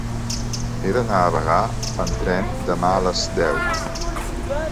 He d'anar a Bagà amb tren demà a les deu.